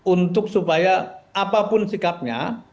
untuk supaya apapun sikapnya